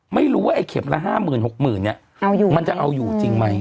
ไม่รู้ว่าเข็มละ๕๐๐๐๐๖๐๐๐๐มันจะเอาอยู่จริงไหม